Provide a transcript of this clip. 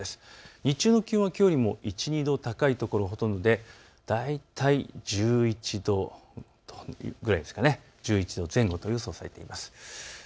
日中の気温はきょうよりも１、２度高い所がほとんどで大体１１度ぐらいですかね、１１度前後と予想されています。